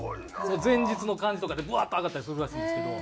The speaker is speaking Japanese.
前日の感じとかでブワッと上がったりするらしいんですけど。